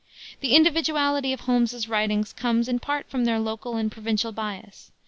The individuality of Holmes's writings comes in part from their local and provincial bias.